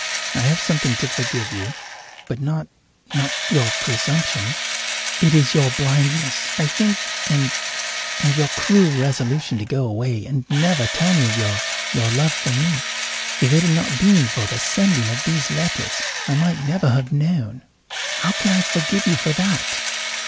I have something to forgive you, but not not your presumption. It is your blindness, I think and and your cruel resolution to go away and never tell me of your your love for me. If it had not been for the sending of these letters I might never have known. How can I forgive you for that?"